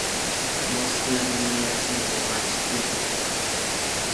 Mostla nias nimomachtiti.